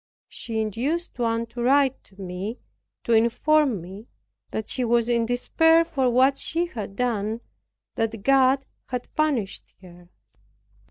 She induced one to write to me, to inform me that she was in despair for what she had done; that God had punished her.